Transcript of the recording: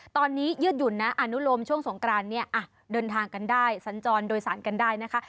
ตอนนี้ยืดหยุ่นนะอนุโลมช่วงสงกรานเนี่ยเดินทางกันได้สัญจรโดยสารกันได้นะคะ